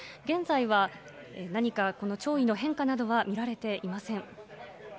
現在は何か潮位の変化などは見られています。